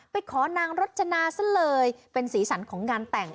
ไปขอนางรจนาซะเลยเป็นสีสันของงานแต่ง